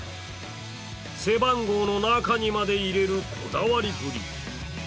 背番号の中にまで入れるこだわりっぷり。